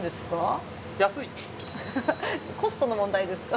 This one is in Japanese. コストの問題ですか？